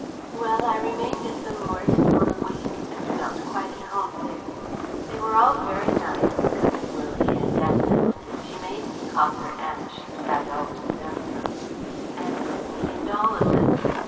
Well, I remained at the Moores' for a week, and felt quite at home there. They were all very nice, Cousin Willie, and Aunt Emily (she made me call her aunt; she said I'd always done so), and Minnie, and all of them.